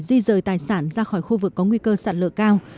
di rời tài sản ra khỏi khu vực có nguy cơ sạt lở cao